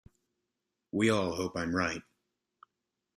We all hope I am right.